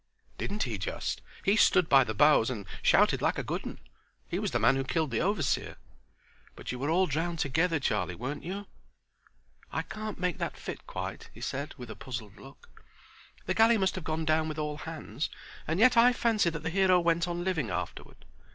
"Didn't he just! He stood by the bows and shouted like a good 'un. He was the man who killed the overseer." "But you were all drowned together, Charlie, weren't you?" "I can't make that fit quite," he said with a puzzled look. "The galley must have gone down with all hands and yet I fancy that the hero went on living afterward.